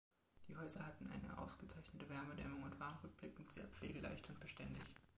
Die Häuser hatten eine ausgezeichnete Wärmedämmung und waren rückblickend sehr pflegeleicht und beständig.